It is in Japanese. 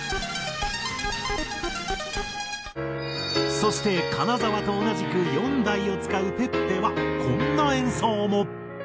そして金澤と同じく４台を使うｐｅｐｐｅはこんな演奏も。